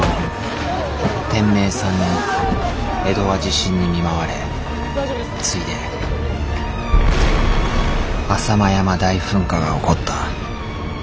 天明三年江戸は地震に見舞われついで浅間山大噴火が起こった。